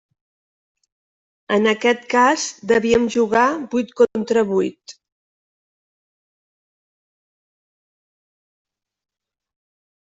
En aquest cas devíem jugar vuit contra vuit.